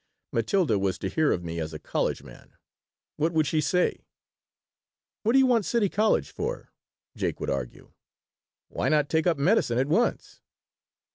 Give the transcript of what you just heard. Matilda was to hear of me as a college man. What would she say? "What do you want City College for?" Jake would argue. "Why not take up medicine at once?"